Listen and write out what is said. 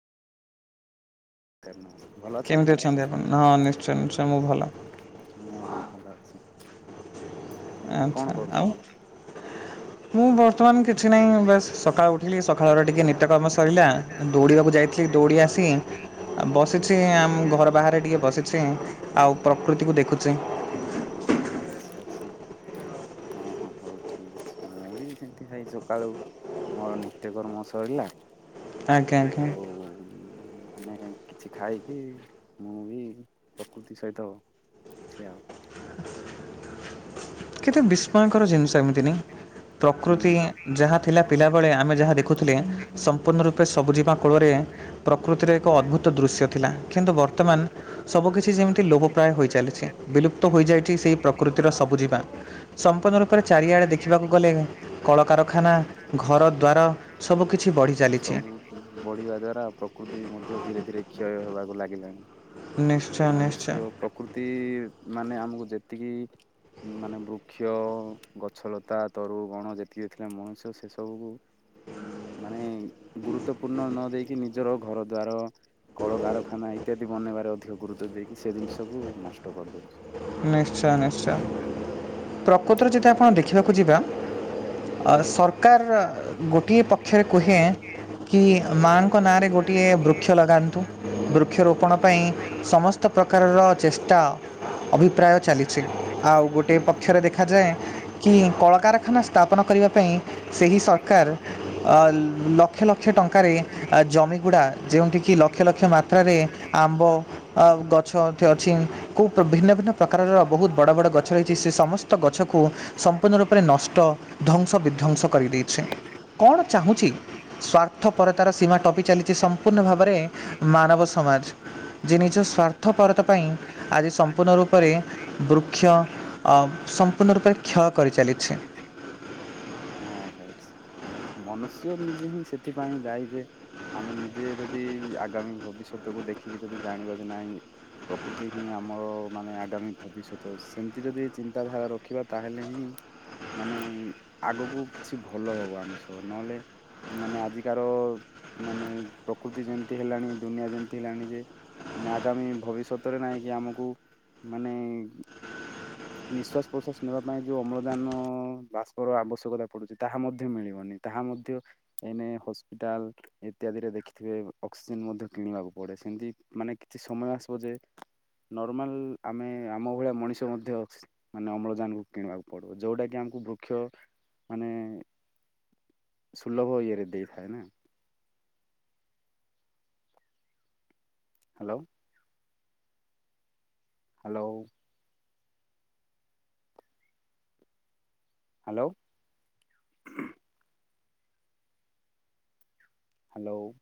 କାରନ। କେମିତି ଅଛନ୍ତି ଆପଣ? ହଁ ନିଶ୍ଚୟ ନିଶ୍ଚୟ ମୁଁ ଭଲ। ମୁଁ ବି ଭଲ ଅଛି। ଆଉ କଣ ଆଚ୍ଛା ଆଉ। କରୁଛନ୍ତି? [unintelligible] ମୁଁ ବର୍ତ୍ତମାନ କିଛି ନାହିଁ ବାସ୍ ସକାଳୁ ଉଠିଲି ସକାଳର ଟିକେ ନିତ୍ୟକର୍ମ ସରିଲା ଦୌଡ଼ିବାକୁ ଯାଇଥ ଛି ଦୌଡ଼ି ଆସି ବସିଛି ଆମ ଘର ବାହାରେ ଟିକେ ବସିଛି ଆଉ ପ୍ରକୃତିକୁ ଦେଖୁଛି। ଆଚ୍ଛା ଆଚ୍ଛା। ହଁ ହଁ ହୋଉ ଠିକ ଅଛି। ମୁଁ ବି ସେମତି ଖାଇ ସକାଳୁ। ମୋର ନିତ୍ୟକର୍ମ ସରିଲା ଆଜ୍ଞା ଆଜ୍ଞା ଆଉ ମାନେ କିଛି ଖାଇକି ମୁଁ ବି ପ୍ରକୃତି ସହିତ ଅଛି ଆଉ। କେତେ ବିସ୍ମୟକର ଜିନିଷ ଏମିତି ନାଇଁ ପ୍ରକୃତି ହୁଁ। ଯାହା ଥିଲା ପିଲାବେଳେ ଆମେ ଯାହା ଦେଖୁଥିଲେ ସମ୍ପୂର୍ଣ୍ଣ ରୂପେ ସବୁଜିବା ଫଳରେ ପ୍ରକୃତିର ଏକ ଅଦ୍ଭୁତ ଦୃଶ୍ୟ ଥିଲା। କିନ୍ତୁ ବର୍ତ୍ତମାନ ସବୁକିଛି ଯେମିତି ଲୋବପ୍ରାୟ ହୋଇ ଚାଲିଚି। ବିଲୁପ୍ତ ହୋଇଯାଇଛି ସେହି ପ୍ରକୃତିର ସବୁ ଯିବା। ସମ୍ପୂର୍ଣ୍ଣ ରୂପରେ ଚାରିଆଡ଼େ ଦେଖିବାକୁ ଗଲେ କଳକାରଖାନା ଘର ଦ୍ୱାର ସବୁ କିିଛି ବଢି ଚାଲିଚି [unintelligible] ବଢିବା ଦ୍ଵାରା ପ୍ରକୃତି ମଧ୍ୟ ଧୀରେ ଧୀରେ କ୍ଷୟ ହେବାକୁ ଲାଗିଲାଣି। ନିଶ୍ଚୟ ନିଶ୍ଚୟ ମନୁଷ୍ୟ ପ୍ରକୃତି ମାନେ ଆମକୁ ଯେତିକି ମାନେ ବୃକ୍ଷ ଗଛଲତା ତରୁ ବଣ ଯେତିକିଥିଲା ମଣିଷ ସେ ସବୁକୁ। ମାନେ ଗୁରୁତ୍ୱପୂର୍ଣ୍ଣ ନ ଦେଇକି ନିଜର ଘର ଦ୍ଵାର। କଳକାରାଖାନା ଇତ୍ୟାଦି ବନେଇବାରେ ଅଧିକ ଗୁରୁତ୍ୱ ଦେଇକି ସେ ଜିନିଷକୁ ନଷ୍ଟ କରିଦେଉଚି। ନିଶ୍ଚୟ ନିଶ୍ଚୟ ପ୍ରକୃତରେ ଯଦି ଆପଣ ଦେଖିବାକୁ ଯିବା। ସରକାର ଗୋଟିଏ ପକ୍ଷରେ କୁହେ। କି ମାଆଙ୍କ ନାଁ ରେ ଗୋଟିଏ ବୃକ୍ଷ ଲଗାନ୍ତୁ। ବୃକ୍ଷରୋପଣ ପାଇଁ ସମସ୍ତ ପ୍ରକାରର ଚେଷ୍ଟା ଅଭିପ୍ରାୟ ଚାଲିଛି। ଆଉ ଗୋଟେ ହୁଁ ପକ୍ଷରେ ଦେ ଖାଜାଏ କି କଳକାରଖାନା ସ୍ଥାପନ କରିବା ପାଇଁ ସେହି ସରକାର ଲ ଲକ୍ଷ ଲକ୍ଷ ଟଙ୍କାରେ ଜମିଗୁଡ଼ା ଯେଉଁଠି କିି ଲକ୍ଷ ଲକ୍ଷ ମାତ୍ରାରେ ଆମ୍ବ ଆ ଗଛ ଅଥେ ଅଛି ଖୁ ଭିନ୍ନ ଭିନ୍ନ ପ୍ରକାରର ବହୁତ ବଡ଼ ବଡ଼ ଗଛ ରହିଛି ସେ ସମସ୍ତ ଗଛକୁ କୁ ସମ୍ପୂର୍ଣ୍ଣ ରୂପରେ ନଷ୍ଟ ଧ୍ଵଂସ ବିଧ୍ଵଂସ କରିଦେଇଛି କଣ ଚାହୁଁଛି? ସ୍ଵାର୍ଥପରତାର ସୀମା ଟପି ଚାଲିଚି ସମ୍ପୂର୍ଣ୍ଣ ଭାବରେ ମାନବ ସମାଜ। ଯେ ନିଜ ସର୍ଥ ପରତ ପାଇଁ ଆଜି ସମ ମ୍ପୂର୍ଣ୍ଣ ରୂପରେ ବୃକ୍ଷ ଅଁ ସମ୍ ସମ୍ପୂର୍ଣତା ଖୟ କରିଚାଲିଛି। ହଁ ଭାଇ ସେ ମନୁଷ୍ୟ ନିଜେ ହିଁ ସେଥିପାଇଁ ଦାୟୀ ଯେ ଆମେ ନିଜେ ଯଦି ଆଗାମୀ ଭବିଷ୍ୟତକୁ ଦେଖିକି ଯଦି ଜାଣିବା ବି ନାହିଁ ପ୍ରକୃତି ହିଁ ଆମର ମାନେ ଆଗାମୀ ଭବିଷ୍ୟତ। ସେମିତି ଯଦି ଚିନ୍ତାଧାରା ର ରଖିବା ତାହେଲେ ହିଁ ମାନେ ଆଗକୁ କିଛି ଭଲ ହବ ଆମ ସହ ନହେଲେ ମାନେ ଆଜିକାର ମାନେ ପ୍ରକୃତି ଯେମିତି ହେଲାଣି ଦୁନିଆ ଯେମିତି ହେଲାଣି ଯେ। ମାନେ ଆଗାମୀ ଭବିଷ୍ୟତରେ ନାହିଁକି ଆମକୁ ମାନେ ନିଃଶ୍ବାସ ପ୍ରଶ୍ଵାସ ନେବା ପାଇଁ ଯୋଉ ଅମ୍ଳଜାନ ବାଷ୍ପର ଆବଶ୍ୟକତା ପଡୁଛି ତାହା ମଧ୍ୟ ମିଳିବନି ତାହା ମଧ୍ୟ ଏଇନା ହସ୍ପିଟାଲ୍ ଇତ୍ୟାଦିରେ ଦେଖିଥିବେ ଅକ୍ସିଜେନ ମଧ୍ୟ କିଣିବାକୁ ପଡେ। ସେମିତି ମାନେ କିଛି ସମୟ ଆସିବ ଯେ ନର୍ମାଲ ଆମେ ଆମ ଭଳିଆ ମଣିଷ ମଧ୍ୟ ଅକ୍ସି ମାନେ ଅମ୍ଳଜାନକୁ କିଣିବାକୁ ପଡ଼ିବ ଯେଉଟାକି ଆମକୁ ବୃକ୍ଷ ମାନେ ସୁର୍ଲଭ ଇଏରେ ଦେଇଥାଏ ନା। ହ୍ୟାଲୋ। ହ୍ୟାଲୋ। ହ୍ୟାଲୋ। ହ୍ୟାଲୋ।